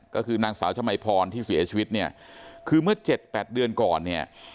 ก็คือนางสาวชมัยพรที่เสียชีวิตคือเมื่อ๗๘เดือนก่อน